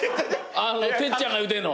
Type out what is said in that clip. てっちゃんが言うてんの。